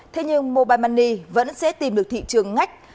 thế nhưng mobile money vẫn sẽ tìm được thị trường ngách